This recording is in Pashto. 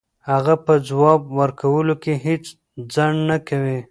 هغه په ځواب ورکولو کې هیڅ ځنډ نه کوي.